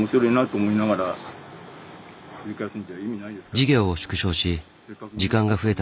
事業を縮小し時間が増えた